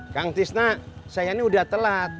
kang tisna saya ini udah telat